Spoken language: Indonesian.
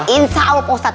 insya allah pak ustadz